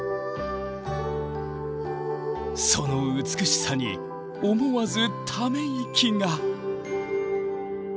その美しさに思わずため息が。